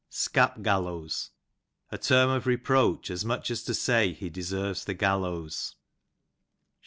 Scap gallows, «. term of reproach, as nrnch as to say he deserves the gallows.